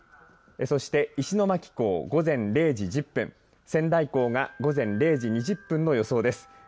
そして石巻港、午前０時１０分仙台港が午前０時２０分の予想です。